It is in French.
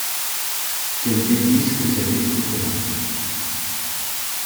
Quel délice que cet étouffement!